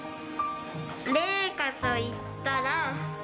麗禾といったら。